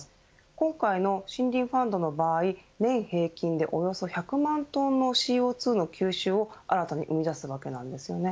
今回の森林ファンドの場合年平均で、およそ１００万トンのＣＯ２の吸収を新たに生み出すわけなんです。